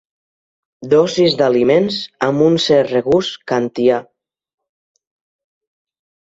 Dosis d'aliments amb un cert regust kantià.